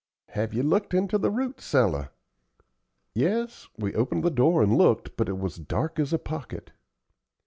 Have you looked into the root cellar?" "Yes; we opened the door and looked, but it was dark as a pocket."